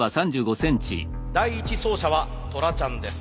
第１走者はトラちゃんです。